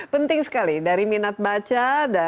penting sekali dari minat baca